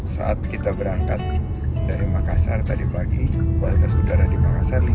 saat kita berangkat dari makassar tadi pagi kualitas udara di makassar lima puluh lima